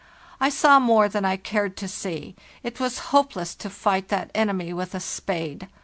I saw more than I cared to see; it was hopeless to fight that enemy with a spade.